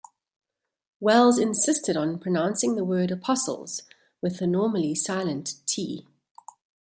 Welles insisted on pronouncing the word 'apostles' with the normally silent 't'.